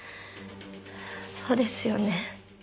そうですよね。